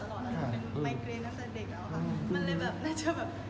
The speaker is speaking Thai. มันเป็นไมเกรดในตัวเด็กเรา